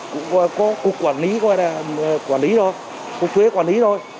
cũng có cục quản lý cục thuế quản lý thôi